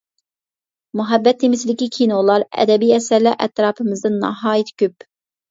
مۇھەببەت تېمىسىدىكى كىنولار، ئەدەبىي ئەسەرلەر ئەتراپىمىزدا ناھايىتى كۆپ.